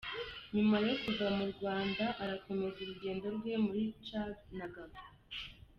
Nyuma yo kuva mu Rwana arakomeza urugendo rwe muri Tchad na Gabon.